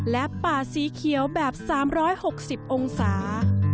และป่าสีเขียวแบบ๓๖๐องศา